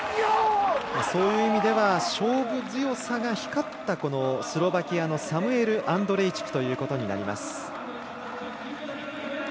そういう意味では勝負強さが光ったスロバキアのサムエル・アンドレイチクということになります。